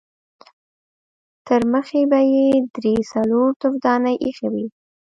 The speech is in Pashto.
ترمخې به يې درې څلور تفدانۍ اېښې وې.